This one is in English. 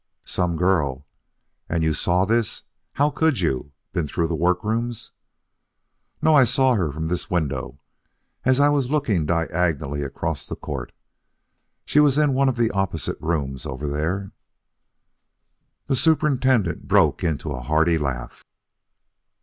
"Some girl." "And you saw this? How could you? Been through the work rooms?" "No. I saw her from this window, as I was looking diagonally across the court. She was in one of the opposite rooms over there " The superintendent broke into a hearty laugh.